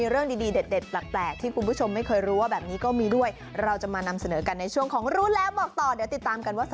รู้แล้วรู้แล้วรู้แล้วบอกต่อ